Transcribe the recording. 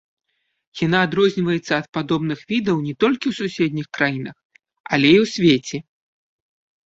Яна адрозніваецца ад падобных відаў не толькі ў суседніх краінах, але і ў свеце.